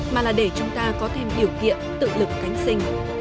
mà là để chúng ta có thêm điều kiện tự lực cánh sinh